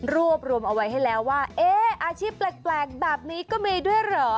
รวบรวมเอาไว้ให้แล้วว่าเอ๊ะอาชีพแปลกแบบนี้ก็มีด้วยเหรอ